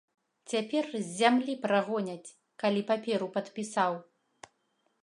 Цяпер з зямлі прагоняць, калі паперу падпісаў.